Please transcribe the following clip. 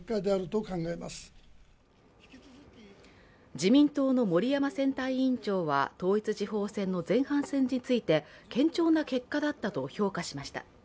自民党の森山選対委員長は、統一地方選の前半戦について堅調な結果だったと評価しました。